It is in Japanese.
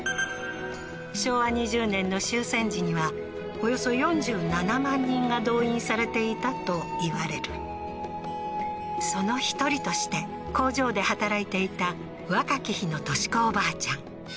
昭和２０年の終戦時にはおよそ４７万人が動員されていたといわれるその１人として工場で働いていた若き日のトシコおばあちゃん